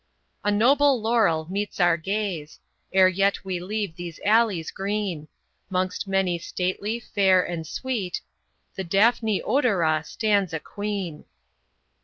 A noble LAUREL meets our gaze, Ere yet we leave these alleys green. 'Mongst many stately, fair, and sweet, The DAPHNE ODORA stands a queen.